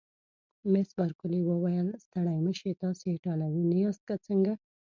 مس بارکلي وویل: ستړي مه شئ، تاسي ایټالوي نه یاست که څنګه؟